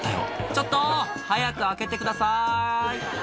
「ちょっと早く開けてください」